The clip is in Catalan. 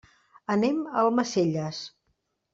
Anem a Almacelles.